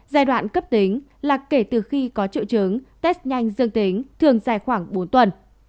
giai đoạn cấp tính là kể từ khi có triệu chứng test nhanh dương tính thường dài khoảng bốn tuần